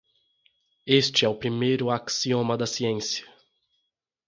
Este é o primeiro axioma da ciência.